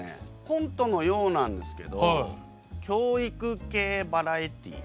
コントのようなんですけど教育系バラエティー。